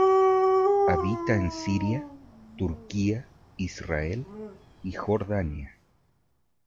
Habita en Siria, Turquía, Israel y Jordania.